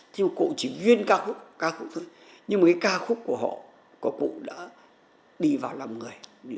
thì một cụ chỉ duyên ca khúc ca khúc thôi nhưng mà cái ca khúc của họ của cụ đã đi vào làm người